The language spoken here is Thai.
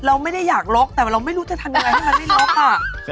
เราไม่ได้อยากลกแต่เราไม่รู้จะทำยังไงให้มันไม่ล็อกอ่ะ